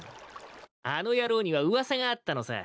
あの野郎には噂があったのさ。